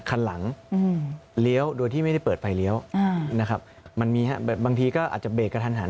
คันหลังเลี้ยวโดยที่ไม่ได้เปิดไฟเลี้ยวนะครับมันมีครับแบบบางทีก็อาจจะเบรกกระทันหัน